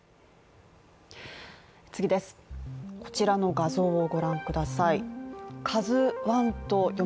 こちらの画像をご覧ください。